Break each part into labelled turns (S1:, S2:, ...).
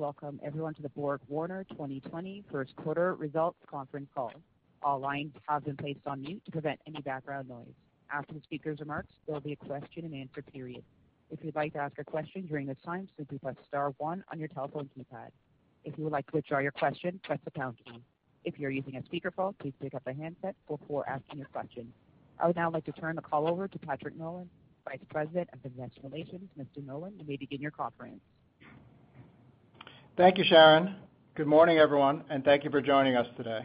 S1: Welcome, everyone, to the BorgWarner 2020 first quarter results conference call. All lines have been placed on mute to prevent any background noise. After the speaker's remarks, there will be a question-and-answer period. If you'd like to ask a question during this time, simply press star one on your telephone keypad. If you would like to withdraw your question, press the pound key. If you're using a speakerphone, please pick up the handset before asking your question. I would now like to turn the call over to Patrick Nolan, Vice President of Investor Relations and Communications. Mr. Nolan, you may begin your conference.
S2: Thank you, Sharon. Good morning, everyone, and thank you for joining us today.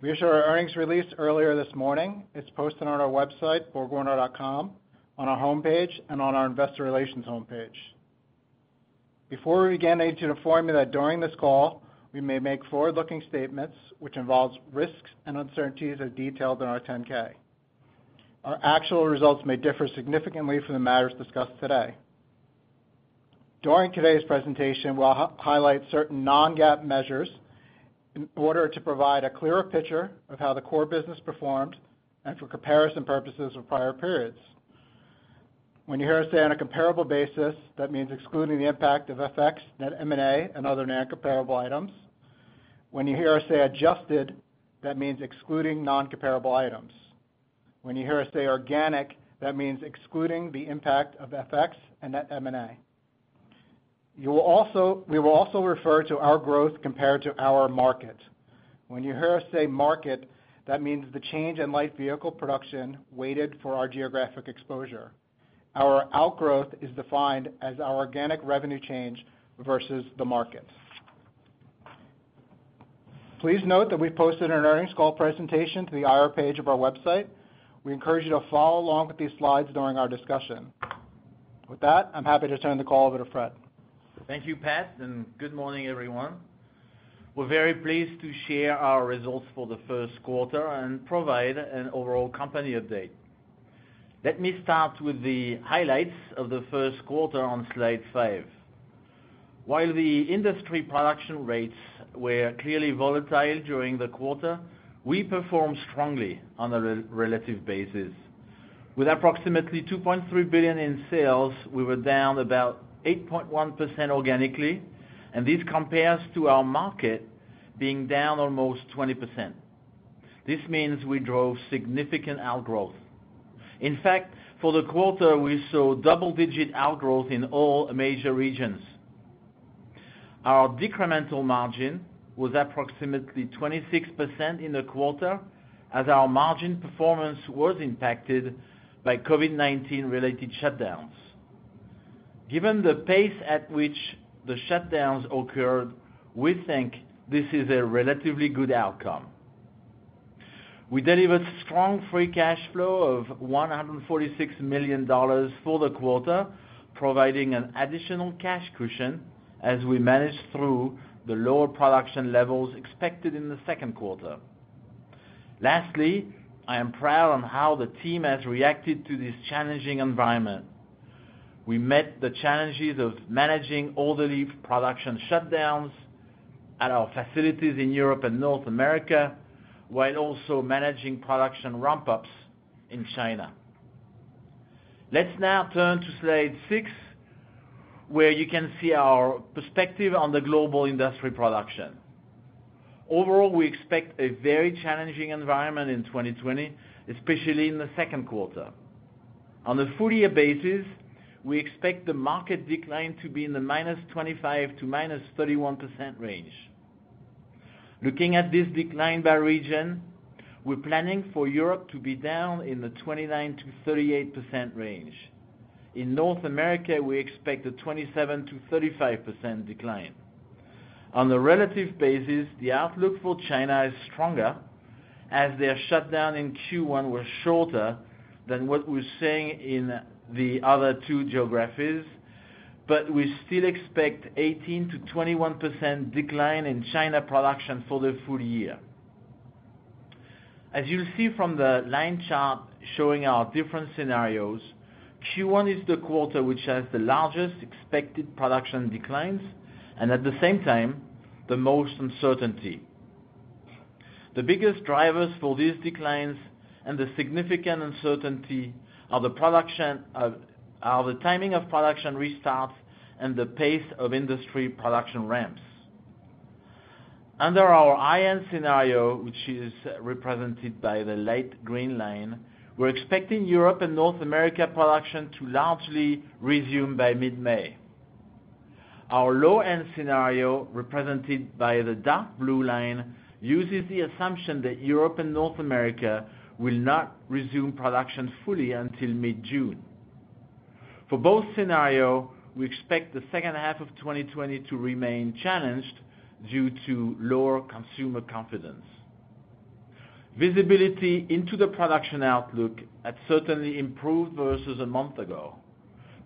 S2: We share our earnings released earlier this morning. It's posted on our website, BorgWarner.com, on our home page, and on our investor relations home page. Before we begin, I need to inform you that during this call, we may make forward-looking statements which involve risks and uncertainties as detailed in our 10-K. Our actual results may differ significantly from the matters discussed today. During today's presentation, we'll highlight certain non-GAAP measures in order to provide a clearer picture of how the core business performed and for comparison purposes with prior periods. When you hear us say on a comparable basis, that means excluding the impact of FX, net M&A, and other non-comparable items. When you hear us say adjusted, that means excluding non-comparable items. When you hear us say organic, that means excluding the impact of FX and net M&A. We will also refer to our growth compared to our market. When you hear us say market, that means the change in light vehicle production weighted for our geographic exposure. Our outgrowth is defined as our organic revenue change versus the market. Please note that we've posted an earnings call presentation to the IR page of our website. We encourage you to follow along with these slides during our discussion. With that, I'm happy to turn the call over to Fred.
S3: Thank you, Pat, and good morning, everyone. We're very pleased to share our results for the first quarter and provide an overall company update. Let me start with the highlights of the first quarter on slide five. While the industry production rates were clearly volatile during the quarter, we performed strongly on a relative basis. With approximately $2.3 billion in sales, we were down about 8.1% organically, and this compares to our market being down almost 20%. This means we drove significant outgrowth. In fact, for the quarter, we saw double-digit outgrowth in all major regions. Our decremental margin was approximately 26% in the quarter, as our margin performance was impacted by COVID-19-related shutdowns. Given the pace at which the shutdowns occurred, we think this is a relatively good outcome. We delivered strong free cash flow of $146 million for the quarter, providing an additional cash cushion as we managed through the lower production levels expected in the second quarter. Lastly, I am proud of how the team has reacted to this challenging environment. We met the challenges of managing all the plant production shutdowns at our facilities in Europe and North America, while also managing production ramp-ups in China. Let's now turn to slide six, where you can see our perspective on the global industry production. Overall, we expect a very challenging environment in 2020, especially in the second quarter. On a full-year basis, we expect the market decline to be in the -25% to -31% range. Looking at this decline by region, we're planning for Europe to be down in the 29%-38% range. In North America, we expect a 27%-35% decline. On a relative basis, the outlook for China is stronger, as their shutdown in Q1 was shorter than what we're seeing in the other two geographies, but we still expect 18%-21% decline in China production for the full year. As you'll see from the line chart showing our different scenarios, Q1 is the quarter which has the largest expected production declines and, at the same time, the most uncertainty. The biggest drivers for these declines and the significant uncertainty are the timing of production restarts and the pace of industry production ramps. Under our high-end scenario, which is represented by the light green line, we're expecting Europe and North America production to largely resume by mid-May. Our low-end scenario, represented by the dark blue line, uses the assumption that Europe and North America will not resume production fully until mid-June. For both scenarios, we expect the second half of 2020 to remain challenged due to lower consumer confidence. Visibility into the production outlook has certainly improved versus a month ago,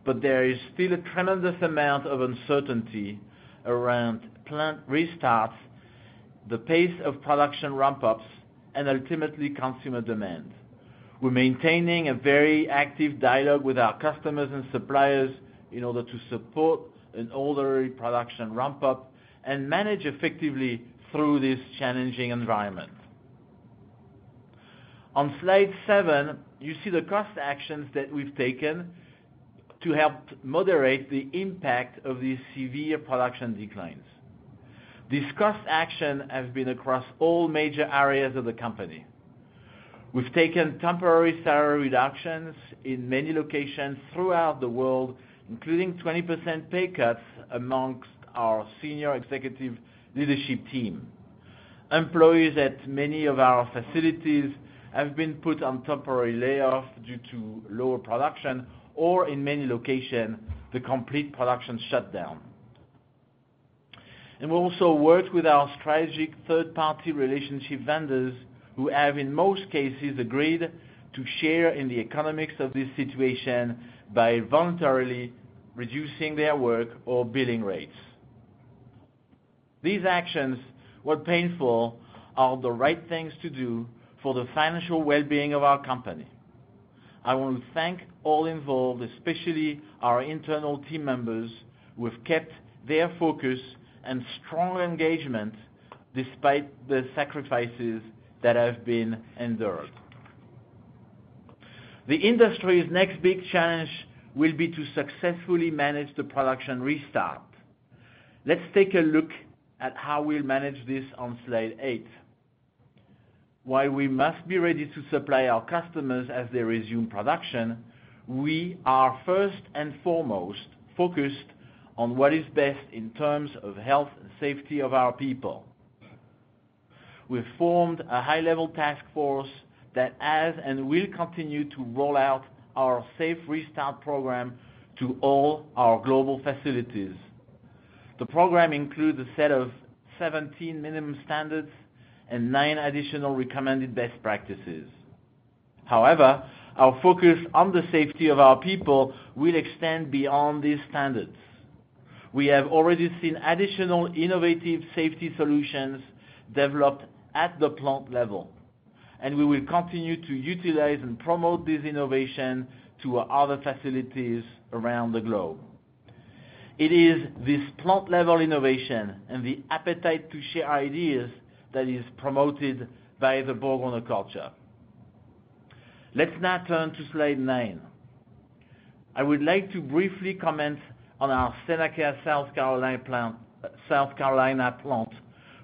S3: but there is still a tremendous amount of uncertainty around plant restarts, the pace of production ramp-ups, and ultimately consumer demand. We're maintaining a very active dialogue with our customers and suppliers in order to support an orderly production ramp-up and manage effectively through this challenging environment. On slide seven, you see the cost actions that we've taken to help moderate the impact of these severe production declines. These cost actions have been across all major areas of the company. We've taken temporary salary reductions in many locations throughout the world, including 20% pay cuts among our senior executive leadership team. Employees at many of our facilities have been put on temporary layoffs due to lower production or, in many locations, the complete production shutdown, and we also worked with our strategic third-party relationship vendors who have, in most cases, agreed to share in the economics of this situation by voluntarily reducing their work or billing rates. These actions, while painful, are the right things to do for the financial well-being of our company. I want to thank all involved, especially our internal team members, who have kept their focus and strong engagement despite the sacrifices that have been endured. The industry's next big challenge will be to successfully manage the production restart. Let's take a look at how we'll manage this on slide eight. While we must be ready to supply our customers as they resume production, we are first and foremost focused on what is best in terms of health and safety of our people. We've formed a high-level task force that has and will continue to roll out our safe restart program to all our global facilities. The program includes a set of 17 minimum standards and nine additional recommended best practices. However, our focus on the safety of our people will extend beyond these standards. We have already seen additional innovative safety solutions developed at the plant level, and we will continue to utilize and promote these innovations to our other facilities around the globe. It is this plant-level innovation and the appetite to share ideas that is promoted by the BorgWarner culture. Let's now turn to slide nine. I would like to briefly comment on our Seneca, South Carolina plant,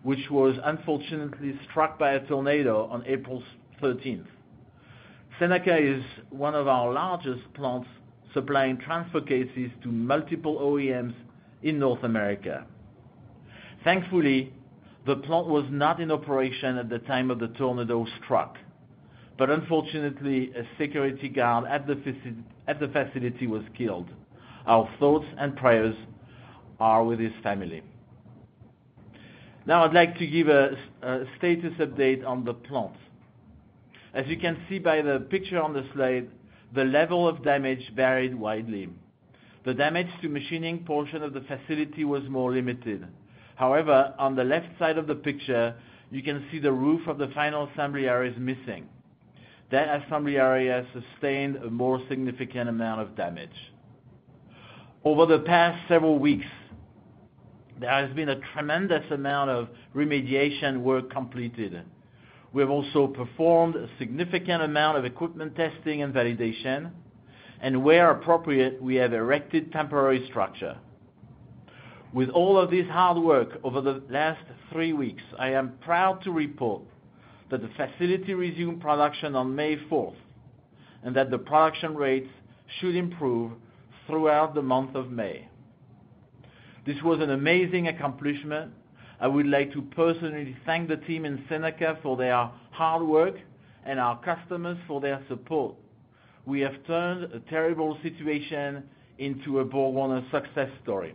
S3: which was unfortunately struck by a tornado on April 13th. Seneca is one of our largest plants supplying transfer cases to multiple OEMs in North America. Thankfully, the plant was not in operation at the time of the tornado struck, but unfortunately, a security guard at the facility was killed. Our thoughts and prayers are with his family. Now, I'd like to give a status update on the plant. As you can see by the picture on the slide, the level of damage varied widely. The damage to the machining portion of the facility was more limited. However, on the left side of the picture, you can see the roof of the final assembly area is missing. That assembly area sustained a more significant amount of damage. Over the past several weeks, there has been a tremendous amount of remediation work completed. We have also performed a significant amount of equipment testing and validation, and where appropriate, we have erected temporary structure. With all of this hard work over the last three weeks, I am proud to report that the facility resumed production on May 4th and that the production rates should improve throughout the month of May. This was an amazing accomplishment. I would like to personally thank the team in Seneca for their hard work and our customers for their support. We have turned a terrible situation into a BorgWarner success story.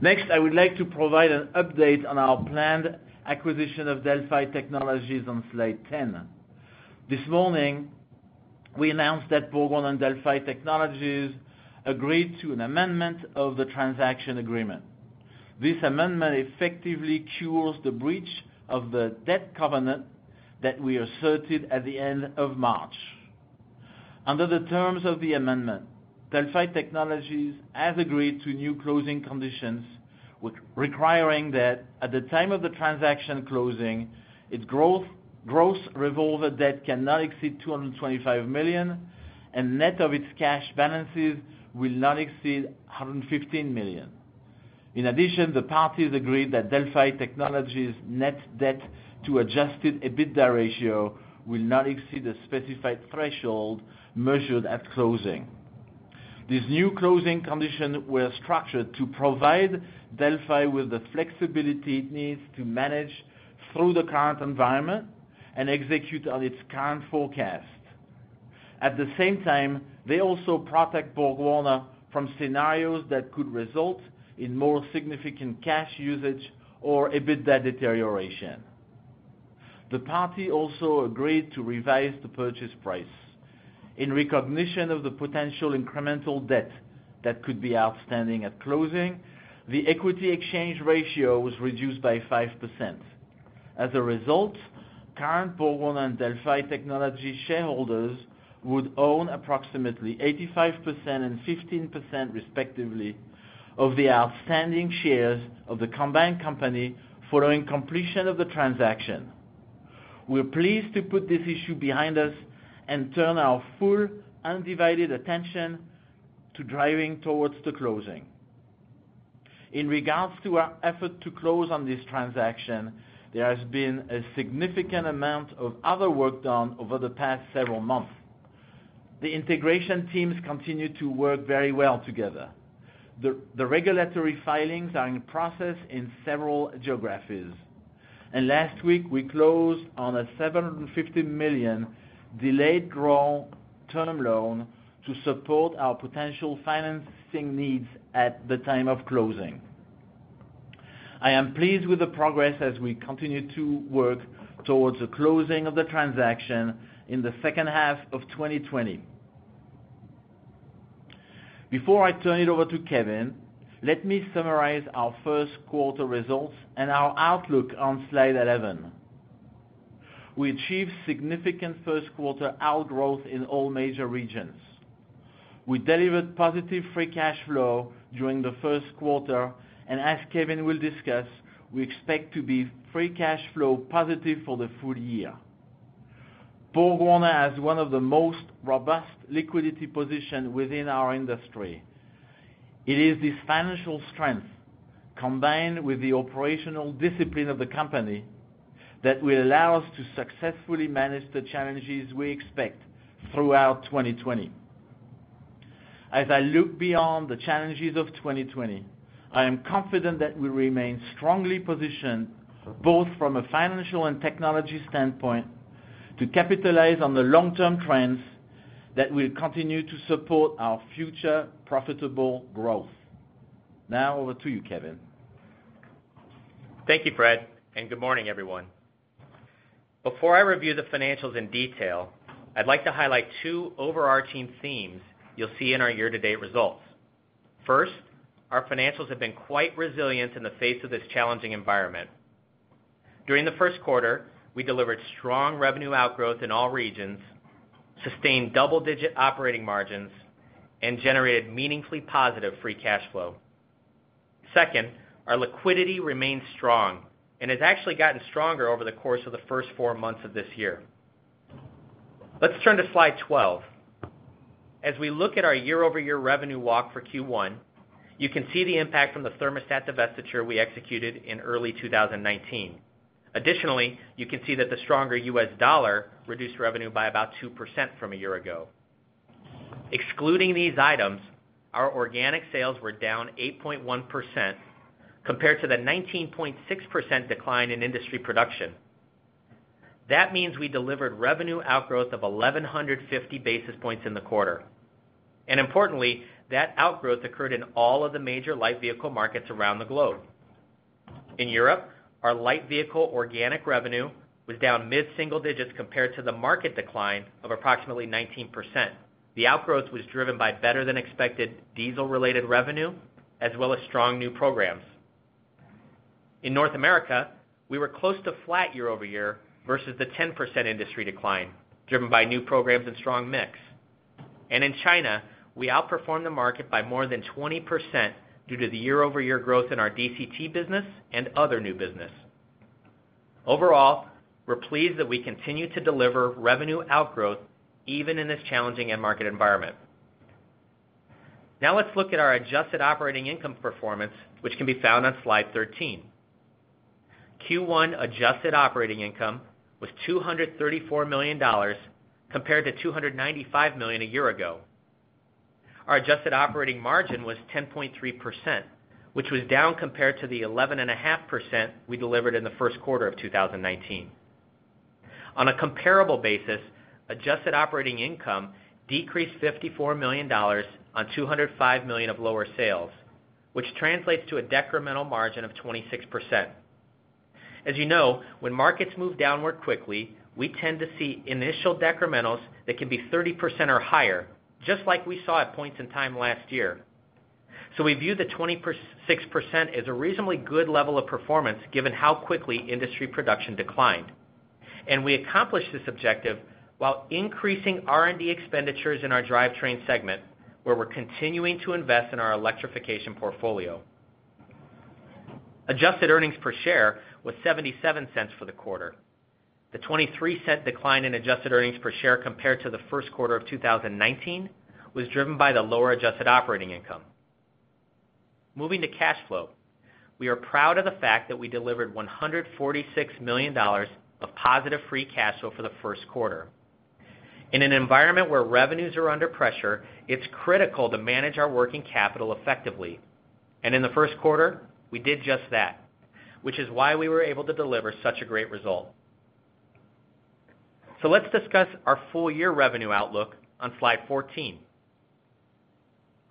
S3: Next, I would like to provide an update on our planned acquisition of Delphi Technologies on slide 10. This morning, we announced that BorgWarner and Delphi Technologies agreed to an amendment of the transaction agreement. This amendment effectively cures the breach of the debt covenant that we asserted at the end of March. Under the terms of the amendment, Delphi Technologies has agreed to new closing conditions requiring that at the time of the transaction closing, its gross revolving debt cannot exceed $225 million, and net of its cash balances will not exceed $115 million. In addition, the parties agreed that Delphi Technologies' net debt to adjusted EBITDA ratio will not exceed the specified threshold measured at closing. These new closing conditions were structured to provide Delphi with the flexibility it needs to manage through the current environment and execute on its current forecast. At the same time, they also protect BorgWarner from scenarios that could result in more significant cash usage or EBITDA deterioration. The parties also agreed to revise the purchase price. In recognition of the potential incremental debt that could be outstanding at closing, the equity exchange ratio was reduced by 5%. As a result, current BorgWarner and Delphi Technologies shareholders would own approximately 85% and 15%, respectively, of the outstanding shares of the combined company following completion of the transaction. We're pleased to put this issue behind us and turn our full undivided attention to driving towards the closing. In regards to our effort to close on this transaction, there has been a significant amount of other work done over the past several months. The integration teams continue to work very well together. The regulatory filings are in process in several geographies. And last week, we closed on a $750 million delayed draw term loan to support our potential financing needs at the time of closing. I am pleased with the progress as we continue to work towards the closing of the transaction in the second half of 2020. Before I turn it over to Kevin, let me summarize our first quarter results and our outlook on slide 11. We achieved significant first quarter outgrowth in all major regions. We delivered positive free cash flow during the first quarter, and as Kevin will discuss, we expect to be free cash flow positive for the full year. BorgWarner has one of the most robust liquidity positions within our industry. It is this financial strength, combined with the operational discipline of the company, that will allow us to successfully manage the challenges we expect throughout 2020. As I look beyond the challenges of 2020, I am confident that we remain strongly positioned, both from a financial and technology standpoint, to capitalize on the long-term trends that will continue to support our future profitable growth. Now, over to you, Kevin.
S4: Thank you, Fred, and good morning, everyone. Before I review the financials in detail, I'd like to highlight two overarching themes you'll see in our year-to-date results. First, our financials have been quite resilient in the face of this challenging environment. During the first quarter, we delivered strong revenue outgrowth in all regions, sustained double-digit operating margins, and generated meaningfully positive free cash flow. Second, our liquidity remained strong and has actually gotten stronger over the course of the first four months of this year. Let's turn to slide 12. As we look at our year-over-year revenue walk for Q1, you can see the impact from the thermostat divestiture we executed in early 2019. Additionally, you can see that the stronger U.S. dollar reduced revenue by about 2% from a year ago. Excluding these items, our organic sales were down 8.1% compared to the 19.6% decline in industry production. That means we delivered revenue outgrowth of 1,150 basis points in the quarter. And importantly, that outgrowth occurred in all of the major light vehicle markets around the globe. In Europe, our light vehicle organic revenue was down mid-single digits compared to the market decline of approximately 19%. The outgrowth was driven by better-than-expected diesel-related revenue as well as strong new programs. In North America, we were close to flat year-over-year versus the 10% industry decline driven by new programs and strong mix. And in China, we outperformed the market by more than 20% due to the year-over-year growth in our DCT business and other new business. Overall, we're pleased that we continue to deliver revenue outgrowth even in this challenging market environment. Now, let's look at our adjusted operating income performance, which can be found on slide 13. Q1 adjusted operating income was $234 million compared to $295 million a year ago. Our adjusted operating margin was 10.3%, which was down compared to the 11.5% we delivered in the first quarter of 2019. On a comparable basis, adjusted operating income decreased $54 million on $205 million of lower sales, which translates to a decremental margin of 26%. As you know, when markets move downward quickly, we tend to see initial decrementals that can be 30% or higher, just like we saw at points in time last year. So we view the 26% as a reasonably good level of performance given how quickly industry production declined. And we accomplished this objective while increasing R&D expenditures in our drivetrain segment, where we're continuing to invest in our electrification portfolio. Adjusted Earnings Per Share was $0.77 for the quarter. The $0.23 decline in Adjusted Earnings Per Share compared to the first quarter of 2019 was driven by the lower Adjusted Operating Income. Moving to cash flow, we are proud of the fact that we delivered $146 million of positive Free Cash Flow for the first quarter. In an environment where revenues are under pressure, it's critical to manage our working capital effectively. And in the first quarter, we did just that, which is why we were able to deliver such a great result. So let's discuss our full-year revenue outlook on slide 14.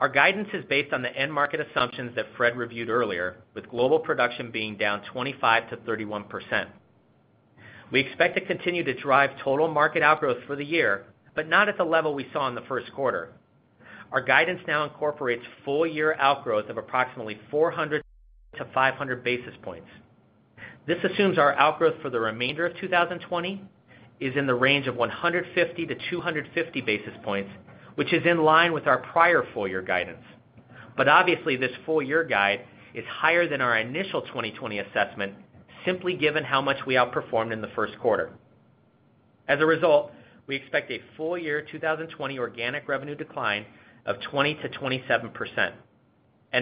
S4: Our guidance is based on the end-market assumptions that Fred reviewed earlier, with global production being down 25%-31%. We expect to continue to drive total market outgrowth for the year, but not at the level we saw in the first quarter. Our guidance now incorporates full-year outgrowth of approximately 400-500 basis points. This assumes our outgrowth for the remainder of 2020 is in the range of 150-250 basis points, which is in line with our prior full-year guidance. But obviously, this full-year guide is higher than our initial 2020 assessment, simply given how much we outperformed in the first quarter. As a result, we expect a full-year 2020 organic revenue decline of 20%-27%.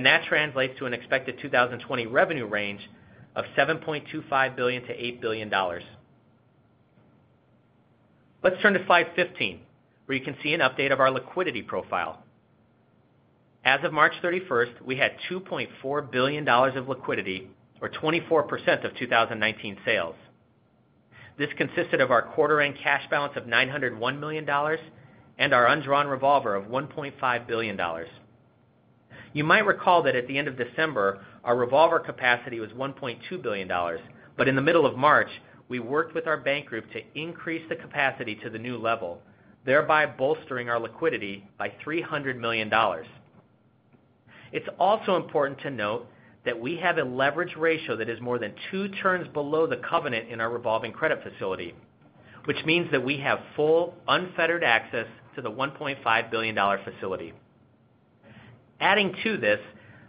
S4: That translates to an expected 2020 revenue range of $7.25 billion-$8 billion. Let's turn to slide 15, where you can see an update of our liquidity profile. As of March 31st, we had $2.4 billion of liquidity, or 24% of 2019 sales. This consisted of our quarter-end cash balance of $901 million and our undrawn revolver of $1.5 billion. You might recall that at the end of December, our revolver capacity was $1.2 billion. But in the middle of March, we worked with our bank group to increase the capacity to the new level, thereby bolstering our liquidity by $300 million. It's also important to note that we have a leverage ratio that is more than two turns below the covenant in our revolving credit facility, which means that we have full unfettered access to the $1.5 billion facility. Adding to this,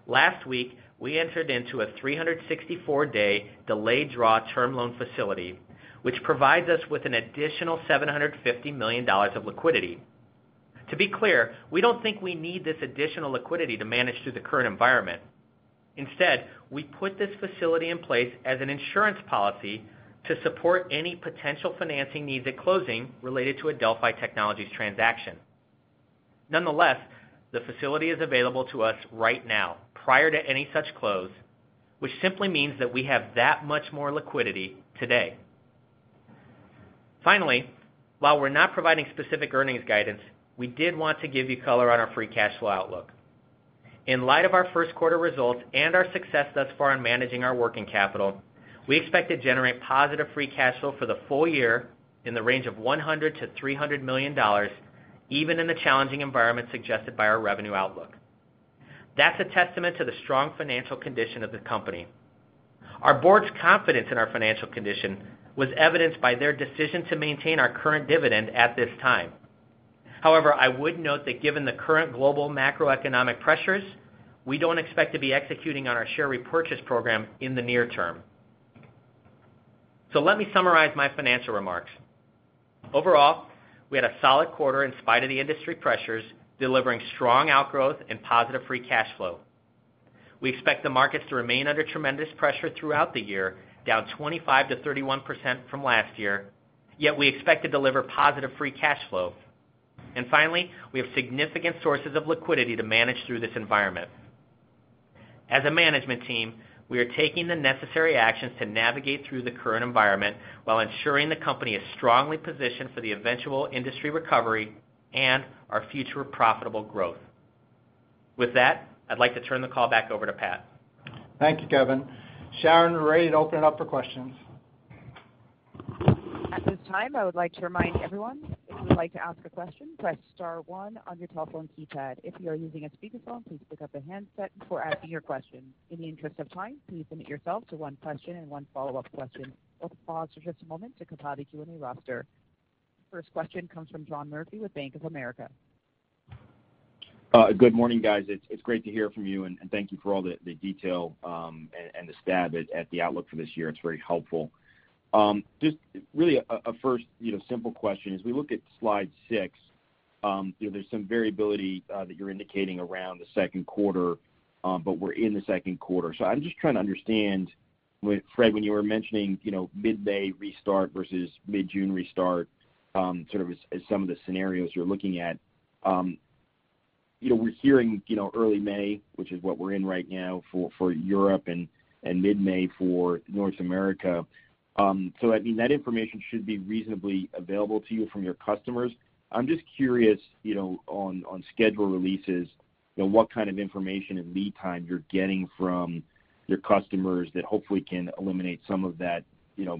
S4: last week, we entered into a 364-day delayed draw term loan facility, which provides us with an additional $750 million of liquidity. To be clear, we don't think we need this additional liquidity to manage through the current environment. Instead, we put this facility in place as an insurance policy to support any potential financing needs at closing related to a Delphi Technologies transaction. Nonetheless, the facility is available to us right now prior to any such close, which simply means that we have that much more liquidity today. Finally, while we're not providing specific earnings guidance, we did want to give you color on our free cash flow outlook. In light of our first quarter results and our success thus far in managing our working capital, we expect to generate positive free cash flow for the full year in the range of $100-$300 million, even in the challenging environment suggested by our revenue outlook. That's a testament to the strong financial condition of the company. Our board's confidence in our financial condition was evidenced by their decision to maintain our current dividend at this time. However, I would note that given the current global macroeconomic pressures, we don't expect to be executing on our share repurchase program in the near term. So let me summarize my financial remarks. Overall, we had a solid quarter in spite of the industry pressures, delivering strong outgrowth and positive free cash flow. We expect the markets to remain under tremendous pressure throughout the year, down 25%-31% from last year, yet we expect to deliver positive free cash flow. And finally, we have significant sources of liquidity to manage through this environment. As a management team, we are taking the necessary actions to navigate through the current environment while ensuring the company is strongly positioned for the eventual industry recovery and our future profitable growth. With that, I'd like to turn the call back over to Pat.
S2: Thank you, Kevin. Sharon, we're ready to open it up for questions.
S1: At this time, I would like to remind everyone if you would like to ask a question, press star one on your telephone keypad. If you are using a speakerphone, please pick up the handset before asking your question. In the interest of time, please limit yourself to one question and one follow-up question. We'll pause for just a moment to compile the Q&A roster. First question comes from John Murphy with Bank of America.
S5: Good morning, guys. It's great to hear from you, and thank you for all the detail and the stab at the outlook for this year. It's very helpful. Just really a first simple question is, we look at slide 6, there's some variability that you're indicating around the second quarter, but we're in the second quarter. So I'm just trying to understand, Fred, when you were mentioning mid-May restart versus mid-June restart, sort of as some of the scenarios you're looking at, we're hearing early May, which is what we're in right now for Europe, and mid-May for North America. So I mean, that information should be reasonably available to you from your customers. I'm just curious on schedule releases, what kind of information and lead time you're getting from your customers that hopefully can eliminate some of that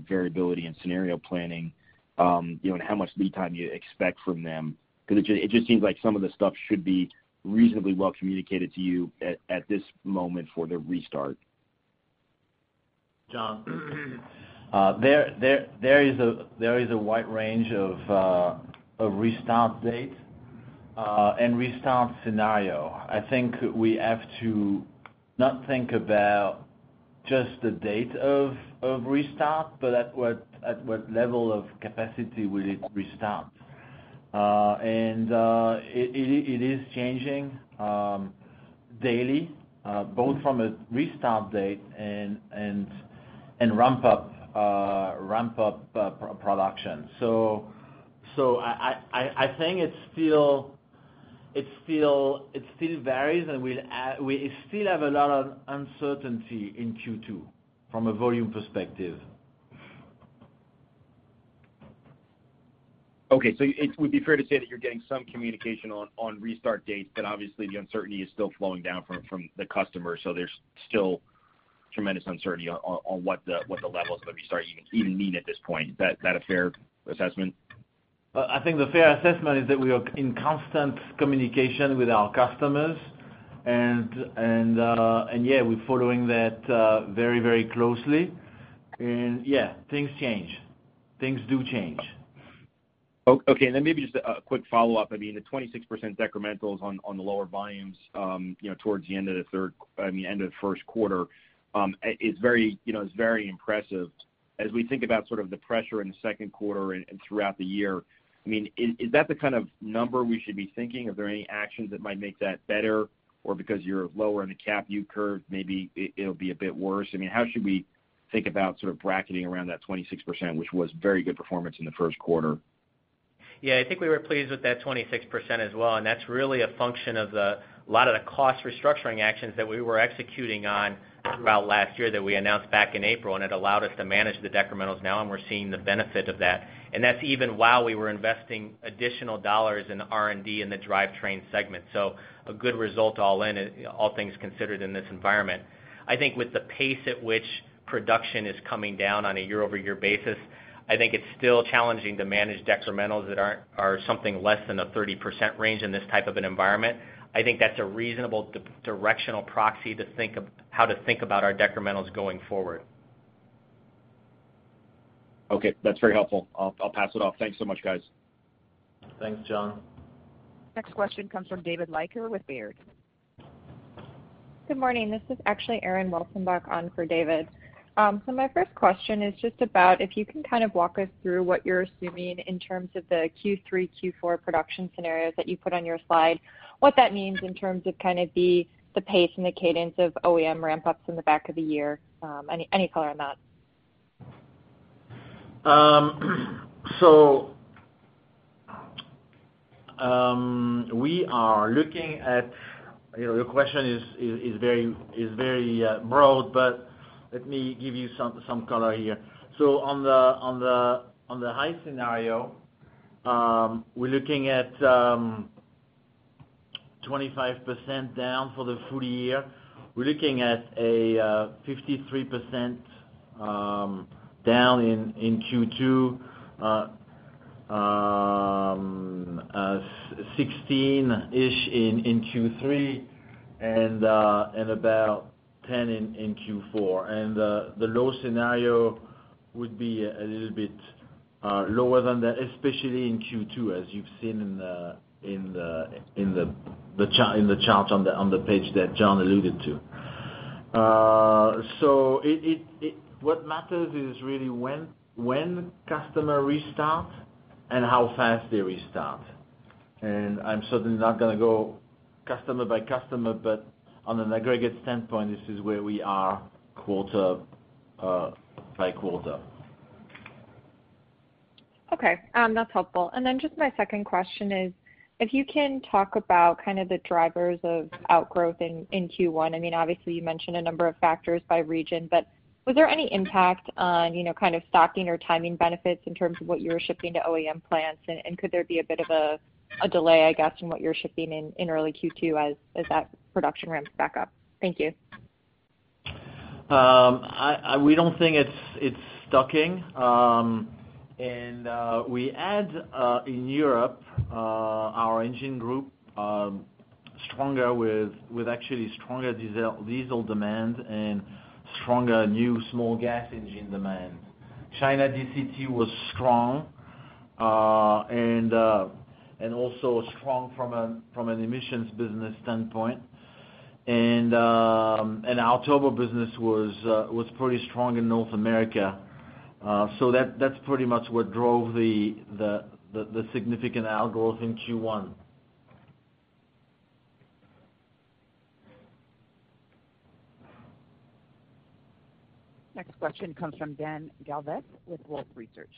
S5: variability and scenario planning and how much lead time you expect from them. Because it just seems like some of the stuff should be reasonably well communicated to you at this moment for the restart.
S3: John. There is a wide range of restart date and restart scenario. I think we have to not think about just the date of restart, but at what level of capacity will it restart, and it is changing daily, both from a restart date and ramp-up production, so I think it still varies, and we still have a lot of uncertainty in Q2 from a volume perspective. Okay.
S5: So it would be fair to say that you're getting some communication on restart dates, but obviously, the uncertainty is still flowing down from the customers. So there's still tremendous uncertainty on what the levels of the restart even mean at this point. Is that a fair assessment?
S3: I think the fair assessment is that we are in constant communication with our customers. And yeah, we're following that very, very closely. And yeah, things change. Things do change. Okay. And then maybe just a quick follow-up. I mean, the 26% decrementals on the lower volumes towards the end of the third, I mean, end of the first quarter is very impressive. As we think about sort of the pressure in the second quarter and throughout the year, I mean, is that the kind of number we should be thinking? Are there any actions that might make that better? Or because you're lower on the CAP-U curve, maybe it'll be a bit worse? I mean, how should we think about sort of bracketing around that 26%, which was very good performance in the first quarter?
S4: Yeah. I mean, we were pleased with that 26% as well. And that's really a function of a lot of the cost restructuring actions that we were executing on throughout last year that we announced back in April. And it allowed us to manage the decrementals now, and we're seeing the benefit of that. And that's even while we were investing additional dollars in R&D in the drivetrain segment. So a good result all things considered in this environment. I think with the pace at which production is coming down on a year-over-year basis, I think it's still challenging to manage decrementals that are something less than a 30% range in this type of an environment. I think that's a reasonable directional proxy to think of how to think about our decrementals going forward. Okay. That's very helpful. I'll pass it off.
S5: Thanks so much, guys.
S3: Thanks, John.
S1: Next question comes from David Leiker with Baird.
S6: Good morning. This is actually Erin Welcenbach on for David. So my first question is just about if you can kind of walk us through what you're assuming in terms of the Q3, Q4 production scenarios that you put on your slide, what that means in terms of kind of the pace and the cadence of OEM ramp-ups in the back of the year, any color on that?
S3: So, we are looking at your question is very broad, but let me give you some color here. So on the high scenario, we're looking at 25% down for the full year. We're looking at a 53% down in Q2, 16-ish% in Q3, and about 10% in Q4. And the low scenario would be a little bit lower than that, especially in Q2, as you've seen in the chart on the page that John alluded to. So what matters is really when customer restarts and how fast they restart. And I'm certainly not going to go customer by customer, but on an aggregate standpoint, this is where we are quarter by quarter.
S6: Okay. That's helpful. And then just my second question is, if you can talk about kind of the drivers of outgrowth in Q1. I mean, obviously, you mentioned a number of factors by region, but was there any impact on kind of stocking or timing benefits in terms of what you were shipping to OEM plants? And could there be a bit of a delay, I guess, in what you're shipping in early Q2 as that production ramps back up? Thank you.
S3: We don't think it's stocking. And we had in Europe, our engine group stronger with actually stronger diesel demand and stronger new small gas engine demand. China DCT was strong and also strong from an emissions business standpoint. And our turbo business was pretty strong in North America. So that's pretty much what drove the significant outgrowth in Q1.
S1: Next question comes from Dan Galves with Wolfe Research.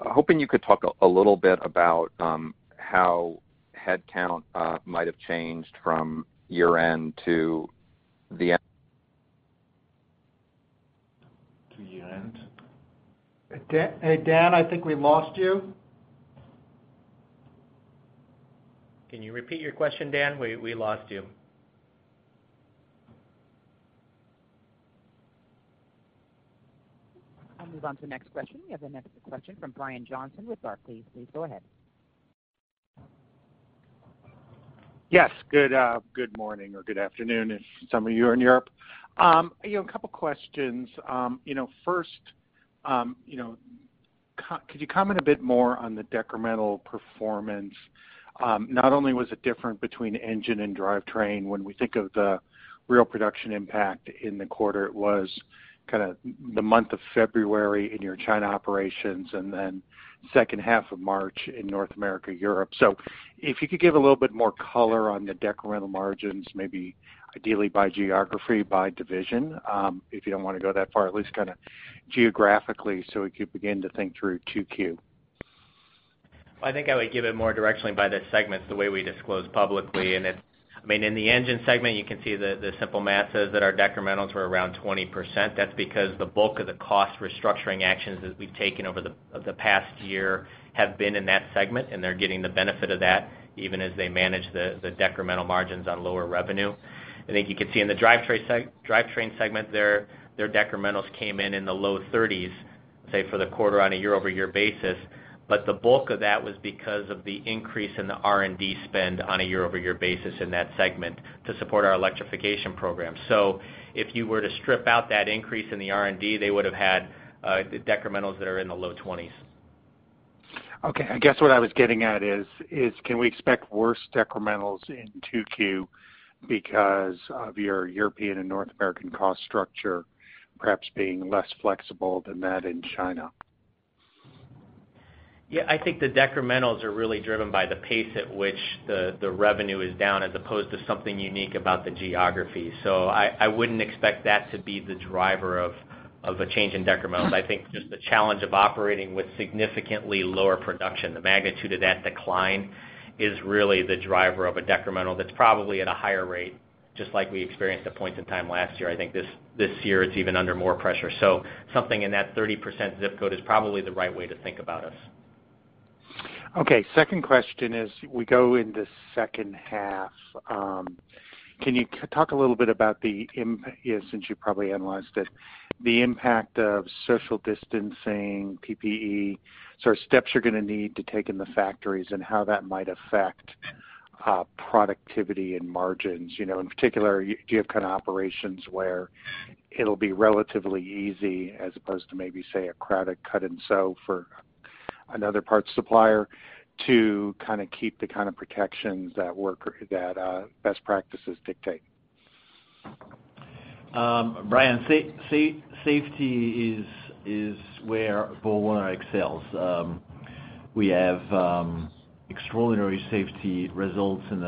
S7: Hoping you could talk a little bit about how headcount might have changed from year-end to the end.
S3: Dan, I think we lost you. Can you repeat your question, Dan? We lost you.
S1: I'll move on to the next question. We have the next question from Brian Johnson with Barclays. Please go ahead.
S8: Yes. Good morning or good afternoon if some of you are in Europe. A couple of questions. First, could you comment a bit more on the decremental performance? Not only was it different between engine and drivetrain when we think of the real production impact in the quarter, it was kind of the month of February in your China operations and then second half of March in North America, Europe. So if you could give a little bit more color on the decremental margins, maybe ideally by geography, by division, if you don't want to go that far, at least kind of geographically so we could begin to think through Q2.
S4: I think I would give it more directionally by the segments the way we disclose publicly, and I mean, in the engine segment, you can see the simple math says that our decrementals were around 20%. That's because the bulk of the cost restructuring actions that we've taken over the past year have been in that segment, and they're getting the benefit of that even as they manage the decremental margins on lower revenue. I think you could see in the drivetrain segment, their decrementals came in in the low 30s, say, for the quarter on a year-over-year basis, but the bulk of that was because of the increase in the R&D spend on a year-over-year basis in that segment to support our electrification program. So if you were to strip out that increase in the R&D, they would have had decrementals that are in the low 20s. Okay.
S8: I guess what I was getting at is, can we expect worse decrementals in Q2 because of your European and North American cost structure perhaps being less flexible than that in China?
S4: Yeah. I think the decrementals are really driven by the pace at which the revenue is down as opposed to something unique about the geography. So I wouldn't expect that to be the driver of a change in decrementals. I think just the challenge of operating with significantly lower production, the magnitude of that decline is really the driver of a decremental that's probably at a higher rate, just like we experienced at points in time last year. I think this year it's even under more pressure. So something in that 30% zip code is probably the right way to think about us.
S8: Okay. Second question is, we go into second half. Can you talk a little bit about the, since you probably analyzed it, the impact of social distancing, PPE, sort of steps you're going to need to take in the factories and how that might affect productivity and margins? In particular, do you have kind of operations where it'll be relatively easy as opposed to maybe, say, a crowded cut-and-sew for another parts supplier to kind of keep the kind of protections that best practices dictate?
S3: Brian, safety is where BorgWarner excels. We have extraordinary safety results from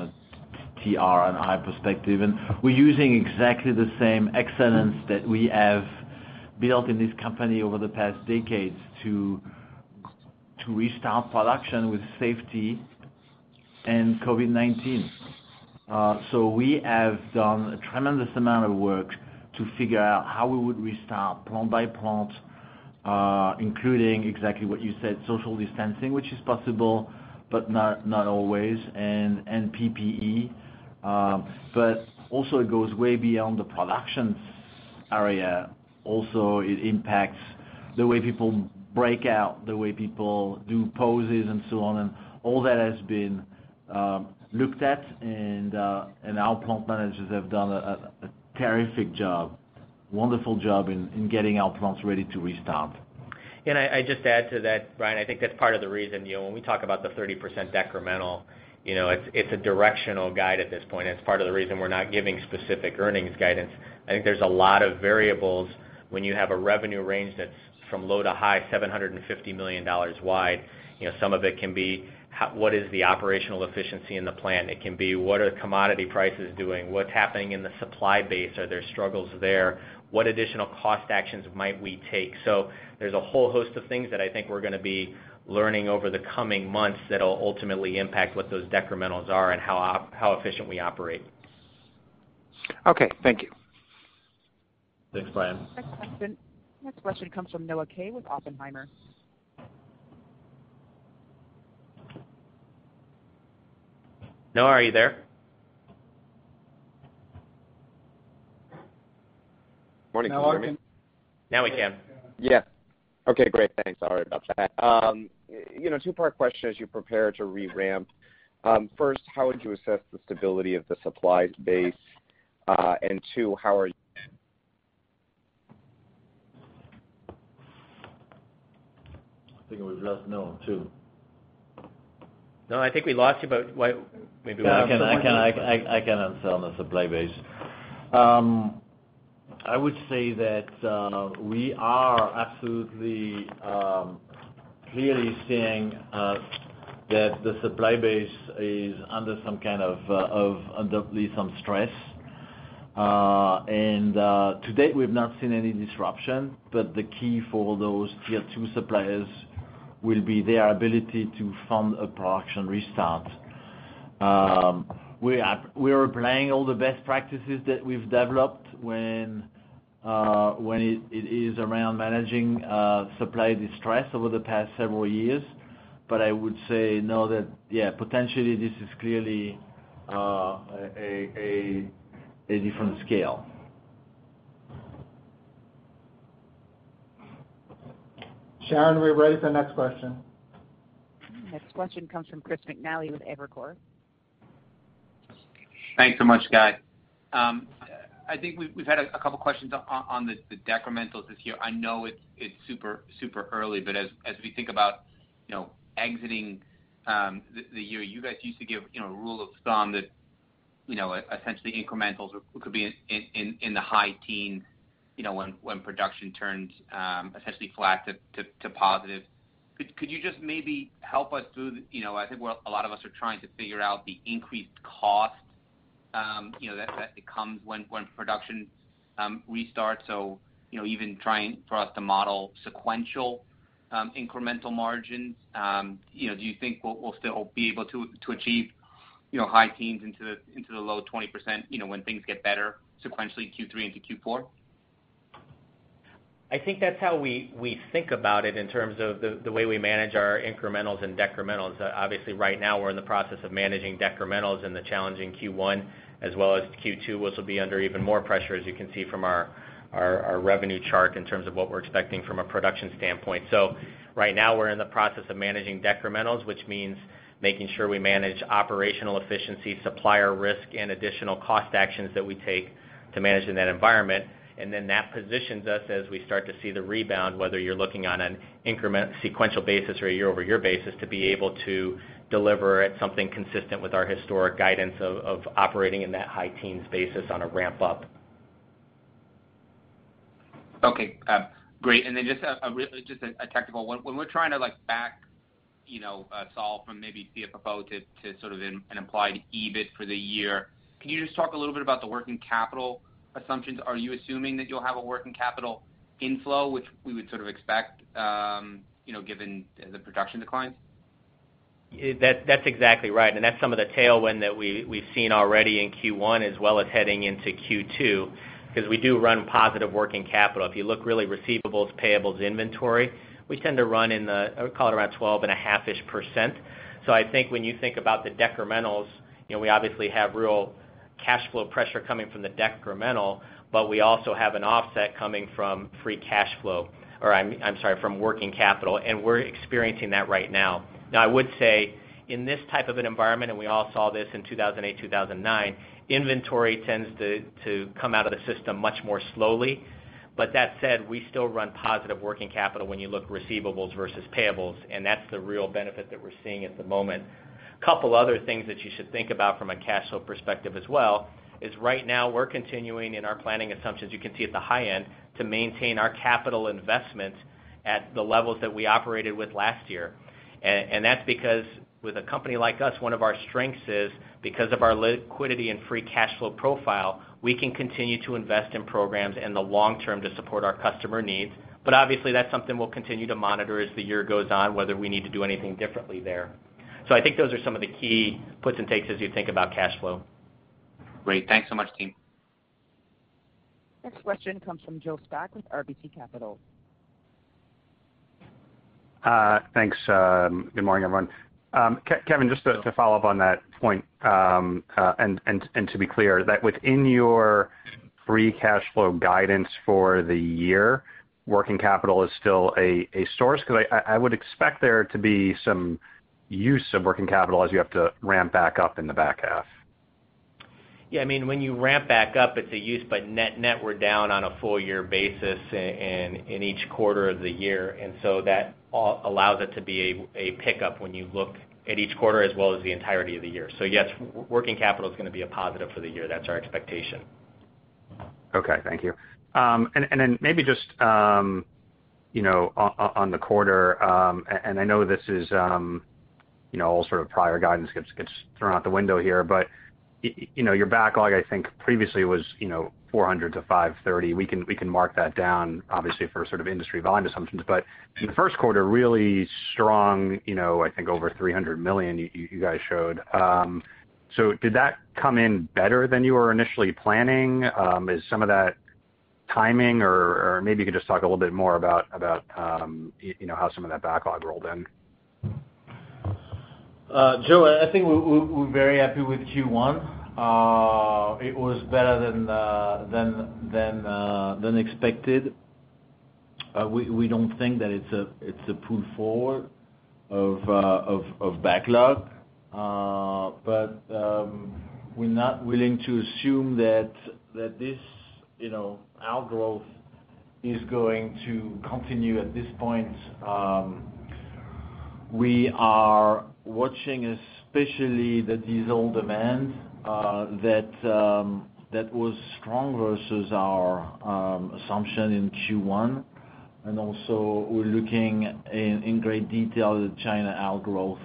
S3: a TR&I perspective. And we're using exactly the same excellence that we have built in this company over the past decades to restart production with safety and COVID-19. So we have done a tremendous amount of work to figure out how we would restart plant by plant, including exactly what you said, social distancing, which is possible, but not always, and PPE. But also, it goes way beyond the production area. Also, it impacts the way people break out, the way people do pauses, and so on. And all that has been looked at, and our plant managers have done a terrific job, wonderful job in getting our plants ready to restart.
S4: And I just add to that, Brian. I think that's part of the reason when we talk about the 30% decremental, it's a directional guide at this point. It's part of the reason we're not giving specific earnings guidance. I think there's a lot of variables. When you have a revenue range that's from low to high, $750 million wide, some of it can be, what is the operational efficiency in the plant? It can be, what are commodity prices doing? What's happening in the supply base? Are there struggles there? What additional cost actions might we take? So there's a whole host of things that I think we're going to be learning over the coming months that will ultimately impact what those decrementals are and how efficient we operate.
S8: Okay. Thank you. Thanks, Brian.
S1: Next question comes from Noah Kaye with Oppenheimer.
S3: Noah, are you there?
S9: Morning. Can you hear me?
S3: Now we can.
S9: Yeah. Okay. Great. Thanks. Sorry about that. Two-part question as you prepare to reramp. First, how would you assess the stability of the supply base? And two, how are you?
S3: I think we've lost Noah too.
S4: No, I think we lost you, but maybe we lost you.
S3: I can answer on the supply base. I would say that we are absolutely clearly seeing that the supply base is under some kind of undue stress. And to date, we've not seen any disruption, but the key for those Tier 2 suppliers will be their ability to fund a production restart. We are applying all the best practices that we've developed when it is around managing supply distress over the past several years. But I would say, no, that yeah, potentially this is clearly a different scale.
S2: Sharon, are we ready for the next question?
S1: Next question comes from Chris McNally with Evercore.
S10: Thanks so much, Guy. I think we've had a couple of questions on the decrementals this year. I know it's super early, but as we think about exiting the year, you guys used to give a rule of thumb that essentially incrementals could be in the high teens when production turns essentially flat to positive. Could you just maybe help us through the, I think a lot of us are trying to figure out the increased cost that comes when production restarts? So even trying for us to model sequential incremental margins, do you think we'll still be able to achieve high teens into the low 20% when things get better sequentially Q3 into Q4?
S4: I think that's how we think about it in terms of the way we manage our incrementals and decrementals. Obviously, right now we're in the process of managing decrementals in the challenging Q1 as well as Q2, which will be under even more pressure, as you can see from our revenue chart in terms of what we're expecting from a production standpoint. So right now we're in the process of managing decrementals, which means making sure we manage operational efficiency, supplier risk, and additional cost actions that we take to manage in that environment. And then that positions us as we start to see the rebound, whether you're looking on an incremental sequential basis or a year-over-year basis, to be able to deliver at something consistent with our historic guidance of operating in that high teens basis on a ramp-up.
S10: Okay. Great. And then just a technical one. When we're trying to back-solve from maybe CFFO to sort of an implied EBIT for the year, can you just talk a little bit about the working capital assumptions? Are you assuming that you'll have a working capital inflow, which we would sort of expect given the production declines?
S4: That's exactly right. And that's some of the tailwind that we've seen already in Q1 as well as heading into Q2 because we do run positive working capital. If you look at receivables, payables, inventory, we tend to run in the, I would call it around 12 and a half-ish %. So I think when you think about the decrementals, we obviously have real cash flow pressure coming from the decremental, but we also have an offset coming from free cash flow or I'm sorry, from working capital. And we're experiencing that right now. Now, I would say in this type of an environment, and we all saw this in 2008, 2009, inventory tends to come out of the system much more slowly. But that said, we still run positive working capital when you look at receivables versus payables. And that's the real benefit that we're seeing at the moment. A couple of other things that you should think about from a cash flow perspective as well is right now we're continuing in our planning assumptions, you can see at the high end, to maintain our capital investments at the levels that we operated with last year. And that's because with a company like us, one of our strengths is because of our liquidity and free cash flow profile, we can continue to invest in programs in the long term to support our customer needs. But obviously, that's something we'll continue to monitor as the year goes on, whether we need to do anything differently there. So I think those are some of the key puts and takes as you think about cash flow.
S10: Great. Thanks so much, team.
S1: Next question comes from Joe Spak with RBC Capital Markets.
S11: Thanks. Good morning, everyone. Kevin, just to follow up on that point and to be clear that within your free cash flow guidance for the year, working capital is still a source because I would expect there to be some use of working capital as you have to ramp back up in the back half.
S4: Yeah. I mean, when you ramp back up, it's a use, but net net we're down on a full year basis in each quarter of the year. And so that allows it to be a pickup when you look at each quarter as well as the entirety of the year. So yes, working capital is going to be a positive for the year. That's our expectation.
S11: Okay. Thank you. And then maybe just on the quarter, and I know this is all sort of prior guidance gets thrown out the window here, but your backlog, I think previously was $400 million-$530 million. We can mark that down, obviously, for sort of industry volume assumptions. But in the first quarter, really strong, I think over $300 million you guys showed. So did that come in better than you were initially planning? Is some of that timing or maybe you could just talk a little bit more about how some of that backlog rolled in?
S3: Joe, I think we're very happy with Q1. It was better than expected. We don't think that it's a pull forward of backlog, but we're not willing to assume that our growth is going to continue at this point. We are watching especially the diesel demand that was strong versus our assumption in Q1, and also, we're looking in great detail at China outgrowth.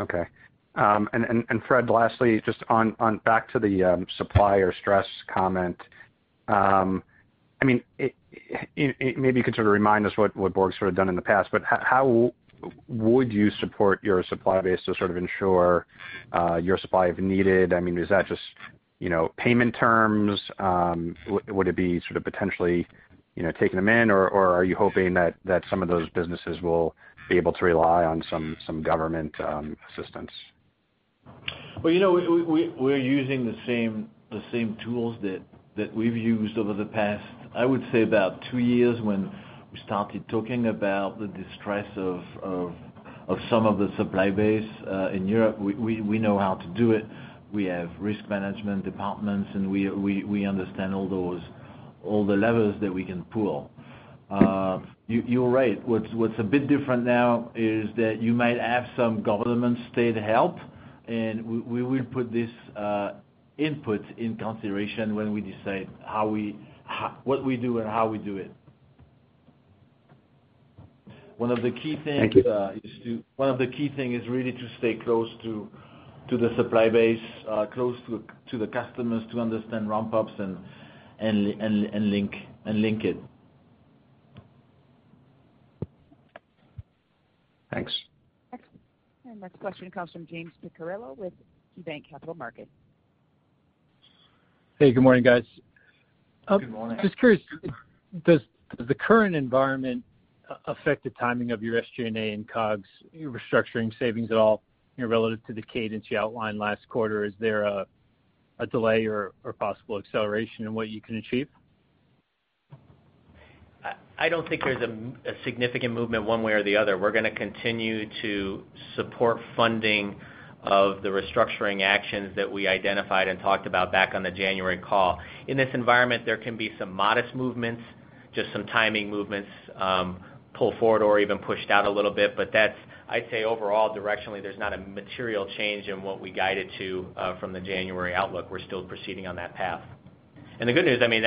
S11: Okay, and Fred, lastly, just on back to the supplier stress comment, I mean, maybe you could sort of remind us what Borg's sort of done in the past, but how would you support your supply base to sort of ensure your supply of needed? I mean, is that just payment terms? Would it be sort of potentially taking them in, or are you hoping that some of those businesses will be able to rely on some government assistance?
S3: We're using the same tools that we've used over the past, I would say, about two years when we started talking about the distress of some of the supply base in Europe. We know how to do it. We have risk management departments, and we understand all the levers that we can pull. You're right. What's a bit different now is that you might have some government state help, and we will put this input in consideration when we decide what we do and how we do it. One of the key things is really to stay close to the supply base, close to the customers to understand ramp-ups and link it. Thanks.
S1: Next question comes from James Picariello with KeyBanc Capital Markets.
S12: Hey, good morning, guys. Good morning. Just curious, does the current environment affect the timing of your SG&A and COGS restructuring savings at all relative to the cadence you outlined last quarter? Is there a delay or possible acceleration in what you can achieve?
S4: I don't think there's a significant movement one way or the other. We're going to continue to support funding of the restructuring actions that we identified and talked about back on the January call. In this environment, there can be some modest movements, just some timing movements, pull forward or even pushed out a little bit. But I'd say overall, directionally, there's not a material change in what we guided to from the January outlook. We're still proceeding on that path. And the good news, I mean,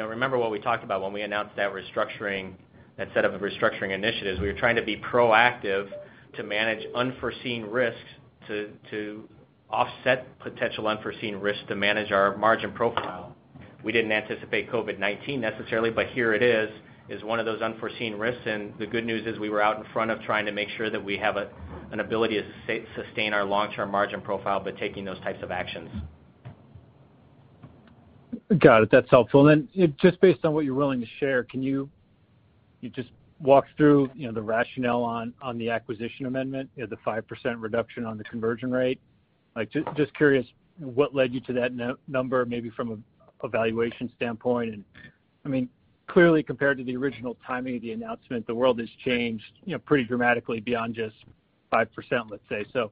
S4: remember what we talked about when we announced that restructuring, that set of restructuring initiatives? We were trying to be proactive to manage unforeseen risks, to offset potential unforeseen risks, to manage our margin profile. We didn't anticipate COVID-19 necessarily, but here it is, is one of those unforeseen risks. And the good news is we were out in front of trying to make sure that we have an ability to sustain our long-term margin profile by taking those types of actions.
S12: Got it. That's helpful. And then just based on what you're willing to share, can you just walk through the rationale on the acquisition amendment, the 5% reduction on the conversion rate? Just curious, what led you to that number, maybe from a valuation standpoint? And I mean, clearly, compared to the original timing of the announcement, the world has changed pretty dramatically beyond just 5%, let's say. So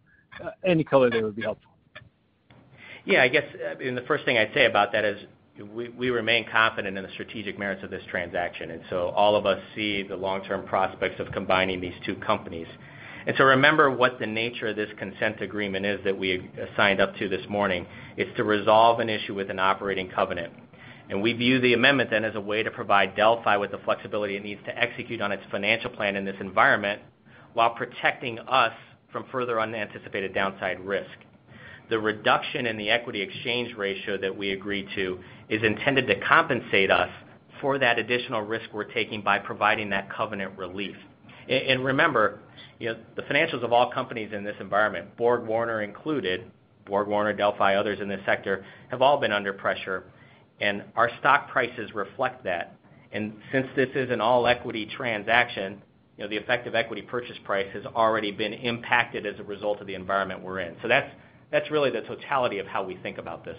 S12: any color there would be helpful. Yeah.
S4: I guess the first thing I'd say about that is we remain confident in the strategic merits of this transaction. And so all of us see the long-term prospects of combining these two companies. And so remember what the nature of this consent agreement is that we signed up to this morning. It's to resolve an issue with an operating covenant. And we view the amendment then as a way to provide Delphi with the flexibility it needs to execute on its financial plan in this environment while protecting us from further unanticipated downside risk. The reduction in the equity exchange ratio that we agreed to is intended to compensate us for that additional risk we're taking by providing that covenant relief. And remember, the financials of all companies in this environment, BorgWarner included, BorgWarner, Delphi, others in this sector, have all been under pressure. Our stock prices reflect that. And since this is an all-equity transaction, the effective equity purchase price has already been impacted as a result of the environment we're in. So that's really the totality of how we think about this.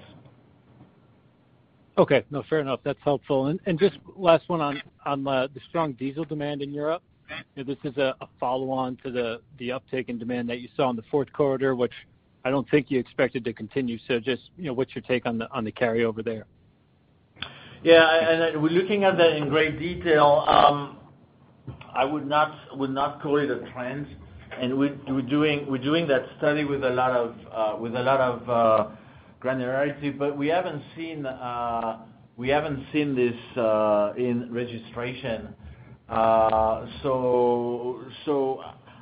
S4: Okay. No, fair enough. That's helpful. And just last one on the strong diesel demand in Europe. This is a follow-on to the uptake in demand that you saw in the fourth quarter, which I don't think you expected to continue. So just what's your take on the carryover there?
S3: Yeah. And we're looking at that in great detail. I would not call it a trend. And we're doing that study with a lot of granularity, but we haven't seen this in registration. So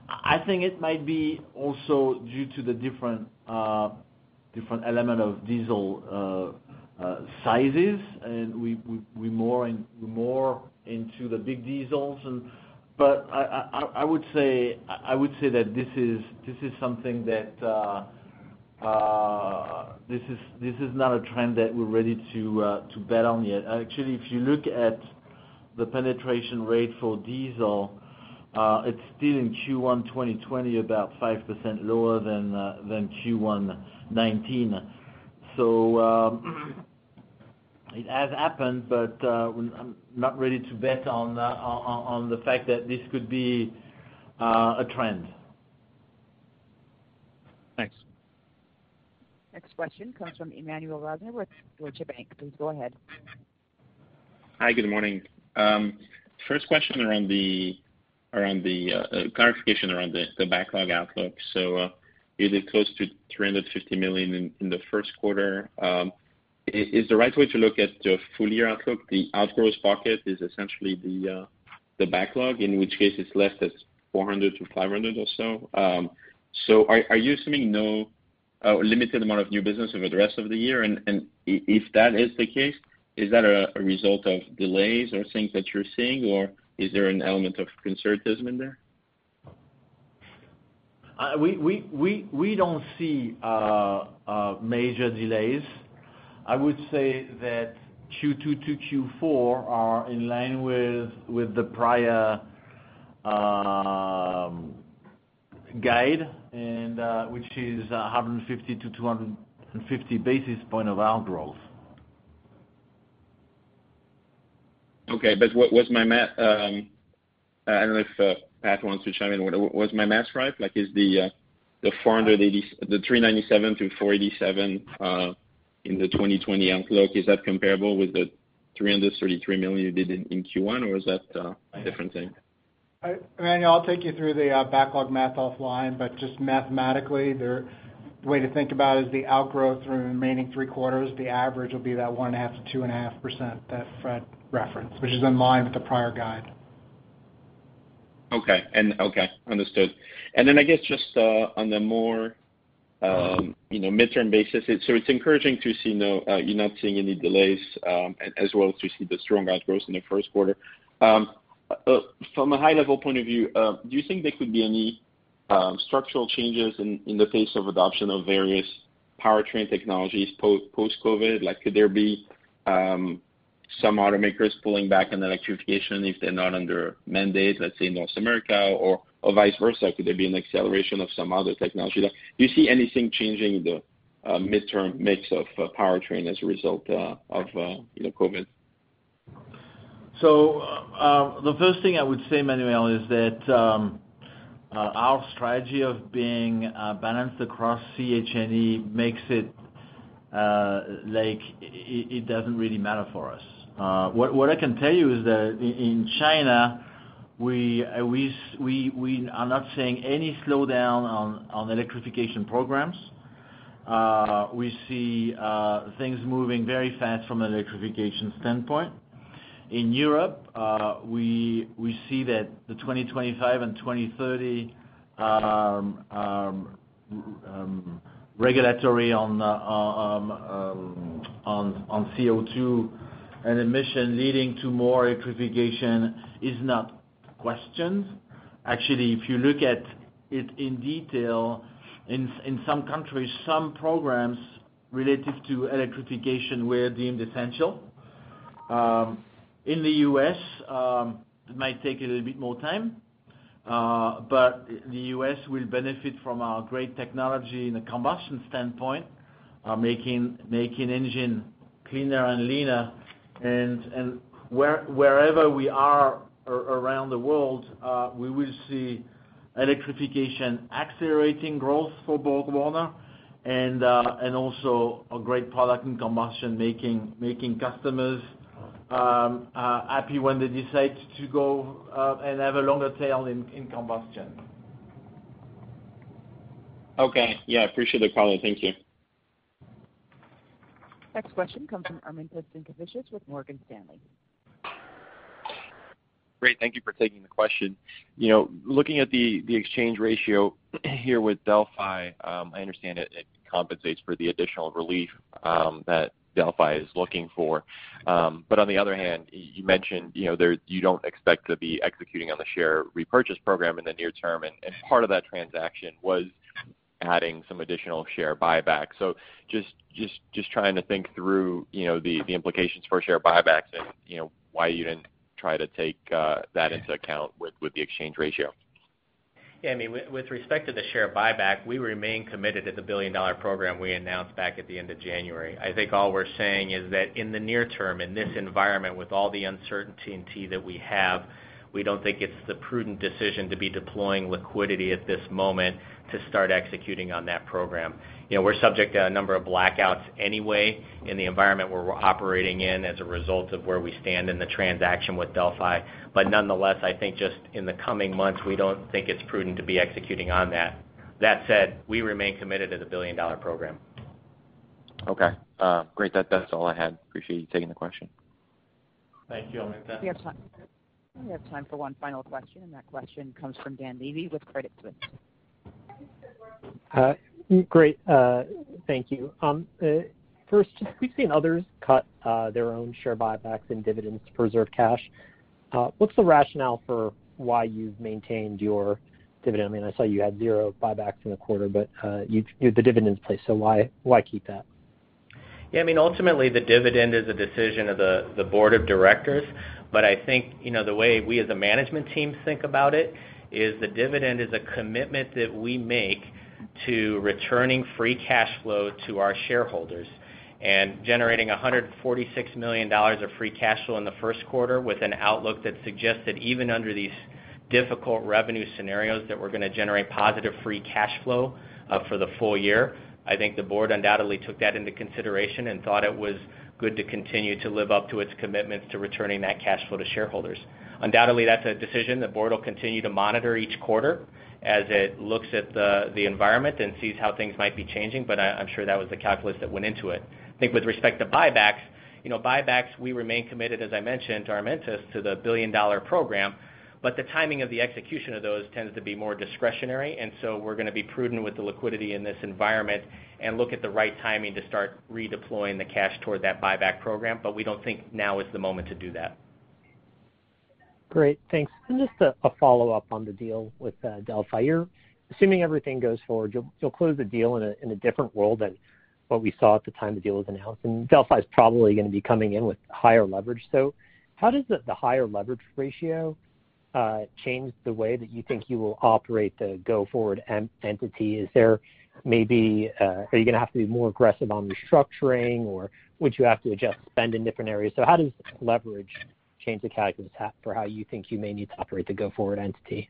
S3: I think it might be also due to the different element of diesel sizes, and we're more into the big diesels. But I would say that this is something that is not a trend that we're ready to bet on yet. Actually, if you look at the penetration rate for diesel, it's still in Q1 2020 about 5% lower than Q1 2019. So it has happened, but I'm not ready to bet on the fact that this could be a trend. Thanks.
S1: Next question comes from Emmanuel Rosner with Deutsche Bank. Please go ahead.
S13: Hi, good morning. First question around the clarification of the backlog outlook. So you did close to $350 million in the first quarter. Is the right way to look at the full year outlook? The outgrowth bucket is essentially the backlog, in which case it's left at $400 million-$500 million or so. So are you assuming a limited amount of new business over the rest of the year? And if that is the case, is that a result of delays or things that you're seeing, or is there an element of conservatism in there? We don't see major delays. I would say that Q2 to Q4 are in line with the prior guide, which is 150-250 basis points of outgrowth. Okay. But was my math, I don't know if Pat wants to chime in. Was my math right? Is the $397-$487 million in the 2020 outlook, is that comparable with the $333 million you did in Q1, or is that a different thing?
S2: Emmanuel, I'll take you through the backlog math offline, but just mathematically, the way to think about it is the outgrowth through remaining three quarters, the average will be that 1.5%-2.5% that Fred referenced, which is in line with the prior guide.
S13: Okay. Okay. Understood. And then I guess just on the more midterm basis, so it's encouraging to see you're not seeing any delays as well as to see the strong outgrowth in the first quarter. From a high-level point of view, do you think there could be any structural changes in the pace of adoption of various powertrain technologies post-COVID? Could there be some automakers pulling back on the electrification if they're not under mandate, let's say, in North America or vice versa? Could there be an acceleration of some other technology? Do you see anything changing the midterm mix of powertrain as a result of COVID?
S3: So the first thing I would say, Emmanuel, is that our strategy of being balanced across C, H, and E makes it like it doesn't really matter for us. What I can tell you is that in China, we are not seeing any slowdown on electrification programs. We see things moving very fast from an electrification standpoint. In Europe, we see that the 2025 and 2030 regulations on CO2 and emissions leading to more electrification is not questioned. Actually, if you look at it in detail, in some countries, some programs related to electrification were deemed essential. In the U.S., it might take a little bit more time, but the U.S. will benefit from our great technology in a combustion standpoint, making engine cleaner and leaner. And wherever we are around the world, we will see electrification accelerating growth for BorgWarner and also a great product in combustion, making customers happy when they decide to go and have a longer tail in combustion.
S13: Okay. Yeah. I appreciate the call. Thank you.
S1: Next question comes from Armintas Sinkevicius with Morgan Stanley. Great.
S14: Thank you for taking the question. Looking at the exchange ratio here with Delphi, I understand it compensates for the additional relief that Delphi is looking for. But on the other hand, you mentioned you don't expect to be executing on the share repurchase program in the near term. And part of that transaction was adding some additional share buyback. So just trying to think through the implications for share buybacks and why you didn't try to take that into account with the exchange ratio.
S4: Yeah. I mean, with respect to the share buyback, we remain committed to the $1 billion program we announced back at the end of January. I think all we're saying is that in the near term, in this environment with all the uncertainty that we have, we don't think it's the prudent decision to be deploying liquidity at this moment to start executing on that program. We're subject to a number of blackouts anyway in the environment where we're operating in as a result of where we stand in the transaction with Delphi. But nonetheless, I think just in the coming months, we don't think it's prudent to be executing on that. That said, we remain committed to the billion-dollar program.
S14: Okay. Great. That's all I had. Appreciate you taking the question.
S3: Thank you, Armintas.
S1: We have time for one final question. That question comes from Dan Levy with Credit Suisse. Great.
S15: Thank you. First, we've seen others cut their own share buybacks and dividends to preserve cash. What's the rationale for why you've maintained your dividend? I mean, I saw you had zero buybacks in the quarter, but the dividend's placed. So why keep that?
S4: Yeah. I mean, ultimately, the dividend is a decision of the board of directors. But I think the way we as a management team think about it is the dividend is a commitment that we make to returning free cash flow to our shareholders and generating $146 million of free cash flow in the first quarter with an outlook that suggests that even under these difficult revenue scenarios that we're going to generate positive free cash flow for the full year. I think the board undoubtedly took that into consideration and thought it was good to continue to live up to its commitments to returning that cash flow to shareholders. Undoubtedly, that's a decision the board will continue to monitor each quarter as it looks at the environment and sees how things might be changing. But I'm sure that was the calculus that went into it. I think with respect to buybacks, buybacks, we remain committed, as I mentioned, to Armin, to the $1 billion program. But the timing of the execution of those tends to be more discretionary. And so we're going to be prudent with the liquidity in this environment and look at the right timing to start redeploying the cash toward that buyback program. But we don't think now is the moment to do that.
S15: Great. Thanks. And just a follow-up on the deal with Delphi. Assuming everything goes forward, you'll close the deal in a different world than what we saw at the time the deal was announced. And Delphi is probably going to be coming in with higher leverage. So how does the higher leverage ratio change the way that you think you will operate the go-forward entity? Is there maybe, are you going to have to be more aggressive on restructuring, or would you have to adjust spend in different areas? So how does leverage change the calculus for how you think you may need to operate the go-forward entity?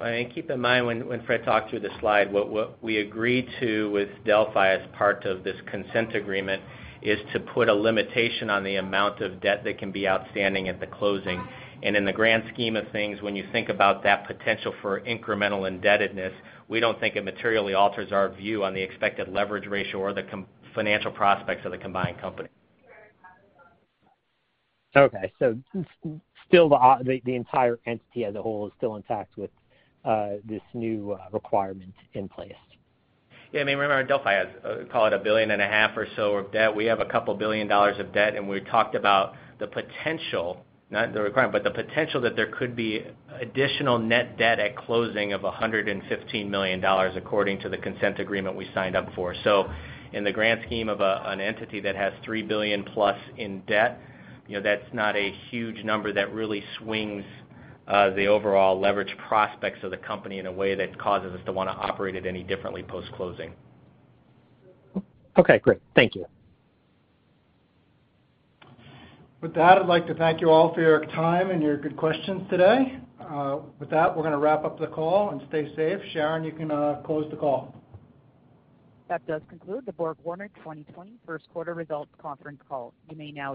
S4: And keep in mind when Fred talked through the slide, what we agreed to with Delphi as part of this consent agreement is to put a limitation on the amount of debt that can be outstanding at the closing. And in the grand scheme of things, when you think about that potential for incremental indebtedness, we don't think it materially alters our view on the expected leverage ratio or the financial prospects of the combined company.
S15: Okay. So still the entire entity as a whole is still intact with this new requirement in place? Yeah.
S4: I mean, remember, Delphi has, call it $1.5 billion or so of debt. We have a couple of billion dollars of debt. And we talked about the potential, not the requirement, but the potential that there could be additional net debt at closing of $115 million according to the consent agreement we signed up for. So in the grand scheme of an entity that has $3 billion plus in debt, that's not a huge number that really swings the overall leverage prospects of the company in a way that causes us to want to operate it any differently post-closing.
S15: Okay. Great. Thank you.
S2: With that, I'd like to thank you all for your time and your good questions today. With that, we're going to wrap up the call and stay safe. Sharon, you can close the call.
S1: That does conclude the BorgWarner 2020 first quarter results conference call. You may now.